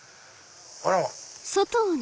あら！